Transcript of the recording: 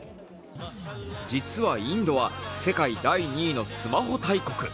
実はインドは世界第２位のスマホ大国。